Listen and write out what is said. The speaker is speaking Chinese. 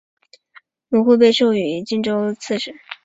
吕护被授予冀州刺史。